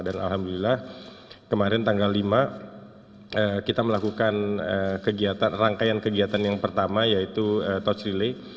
dan alhamdulillah kemarin tanggal lima kita melakukan rangkaian kegiatan yang pertama yaitu touch relay